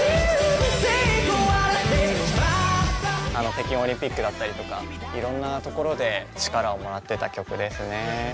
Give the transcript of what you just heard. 北京オリンピックだったりとかいろんな所で力をもらってた曲ですね。